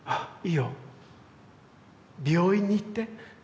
「病院に行って」